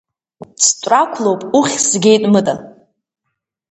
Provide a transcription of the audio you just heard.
Цәтәрақәлоуп, уххьзгеит Мыта!